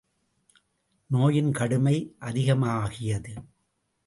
நோயின் கடுமை அதிகமாகியது.